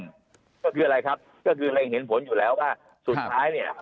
ก็คืออะไรครับก็คือเร็งเห็นผลอยู่แล้วว่าสุดท้ายเนี่ย